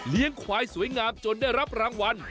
ควายสวยงามจนได้รับรางวัล